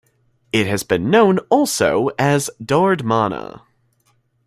It has been known also as "Dar Dmana".